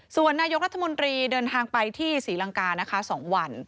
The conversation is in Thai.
ส่วนนายกรัฐมนตรีเดินทางไปที่ศรีลังกานะคะ๒วัน